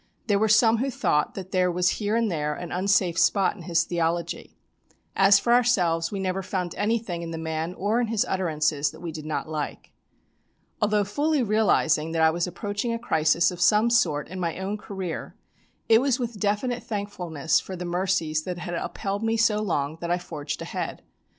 There were some who thought that there was here and there an unsafe spot in his theology. As for ourselves we never found anything in the man or in his utterances that we did not like. Although fully realising that I was approaching a crisis of some sort in my own career, it was with definite thankfulness for the mercies that had upheld me so long that I forged ahead.